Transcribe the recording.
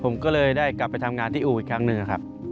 ผมก็เลยได้กลับไปทำงานที่อู่อีกครั้งหนึ่งครับ